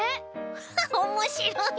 ハハッおもしろい！